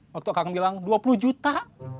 waktu kang bilang dua puluh juta